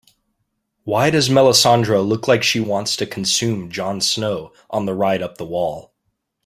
Why does Melissandre look like she wants to consume Jon Snow on the ride up the wall?